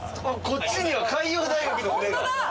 こっちには海洋大学の船が。